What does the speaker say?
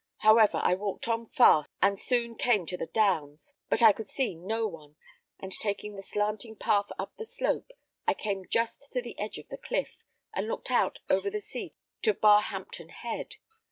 However, I walked on fast, and soon came to the downs, but I could see no one, and taking the slanting path up the slope, I came just to the edge of the cliff, and looked out over the sea to Barhampton Head.